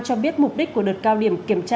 cho biết mục đích của đợt cao điểm kiểm tra